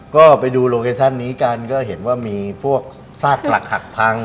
ก็ไปดูโลเคชั่นนี้กันก็เห็นว่ามีพวกซากหลักหักพัง